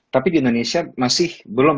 tapi di indonesia masih belum